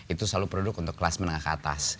itu selalu produk untuk kelas menengah ke atas